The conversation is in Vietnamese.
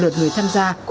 vận động người dân tham gia